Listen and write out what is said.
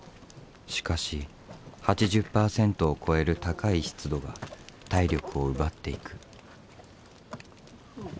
しかし８０％を超える高い湿度が体力を奪っていく。